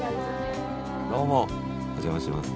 どうもお邪魔します。